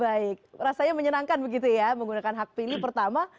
baik rasanya menyenangkan begitu ya menggunakan hak pilih pertama